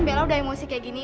bella udah emosi kayak gini